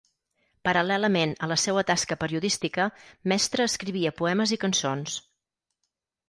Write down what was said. Paral·lelament a la seua tasca periodística, Mestre escrivia poemes i cançons.